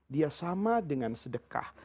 dia sama dengan sedekah